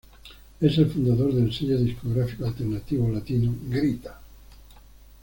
Es el fundador del sello discográfico alternativo latino, Grita!